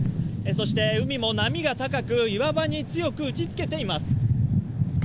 そして海も波が高く、岩場に強く打ちつけています。